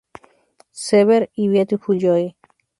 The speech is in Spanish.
Sever" y "Beautiful Joe".